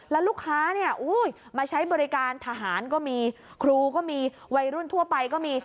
แล้วลูกค้าเนี่ยมาใช้บริการทหารก็มีครูก็มีวัยรุ่นทั่วไปก็มี